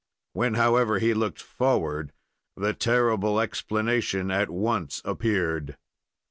When, however, he looked forward, the terrible explanation at once appeared.